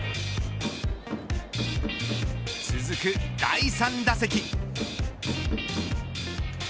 続く第３打席。